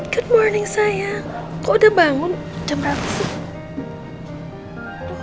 good morning sayang kau udah bangun jam berapa sih